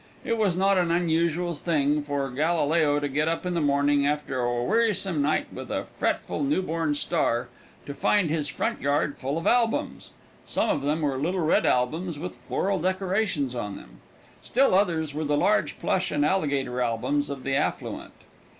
It was not an unusual thing for Galileo to get up in the morning, after a wearisome night with a fretful, new born star, to find his front yard full of albums. Some of them were little red albums with floral decorations on them, while others were the large plush and alligator albums of the affluent.